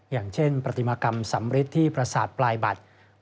อย่างเช่นปฏิมากรรมสำริทที่ประสาทปลายบัตร